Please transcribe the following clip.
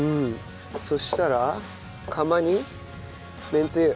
そしたら釜にめんつゆ。